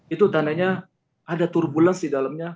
itu tandanya ada turbules di dalamnya